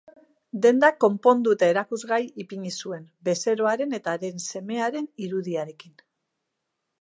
Dendak konpondu eta erakusgai ipini zuen, bezeroaren eta haren semearen irudiarekin.